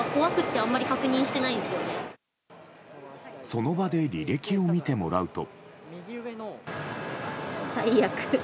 その場で履歴を見てもらうと。